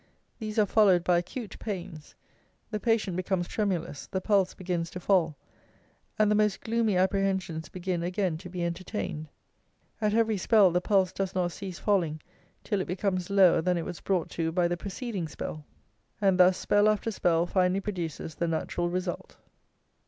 These are followed by acute pains; the patient becomes tremulous; the pulse begins to fall, and the most gloomy apprehensions begin again to be entertained. At every spell the pulse does not cease falling till it becomes lower than it was brought to by the preceding spell; and thus, spell after spell, finally produces the natural result.